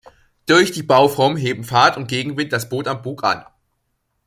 Durch die Bauform heben Fahrt- und Gegenwind das Boot am Bug an.